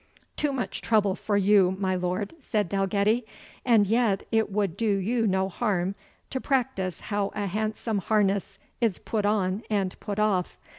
"Too much trouble for you, my lord," said Dalgetty; "and yet it would do you no harm to practise how a handsome harness is put on and put off.